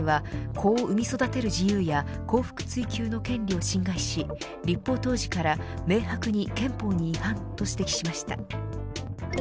仙台高裁は子を産み育てる自由や幸福追求の権利を侵害し立法当時から明白に憲法に違反と指摘しました。